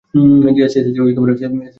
JSC, SSC ও SSC vocational.